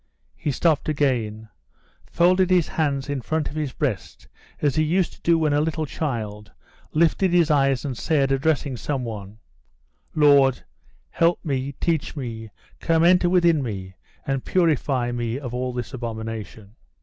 He stopped again, folded his hands in front of his breast as he used to do when a little child, lifted his eyes, and said, addressing some one: "Lord, help me, teach me, come enter within me and purify me of all this abomination."